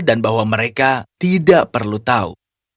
dan bahwa mereka tidak perlu tahu